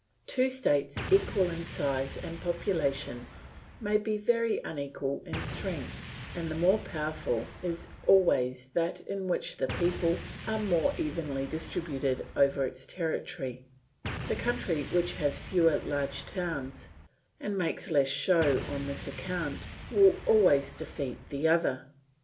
Two states equal in size and population may be very unequal in strength; and the more powerful is always that in which the people are more evenly distributed over its territory; the country which has fewer large towns, and makes less show on this account, will always defeat the other.